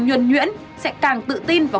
nhuẩn nhuyễn sẽ càng tự tin vào